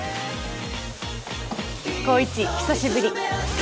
紘一久しぶり。